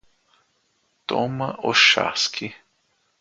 Toma o chasque